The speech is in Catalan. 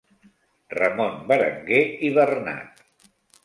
Ramon, Berenguer i Bernat.